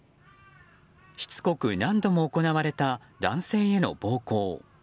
しつこく何度も行われた男性への暴行。